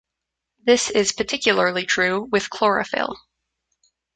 This is particularly true with "Chlorophylle".